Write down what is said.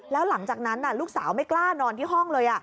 แล้วหลังจากนั้นลูกสาวไม่กล้านอนที่ห้องเลย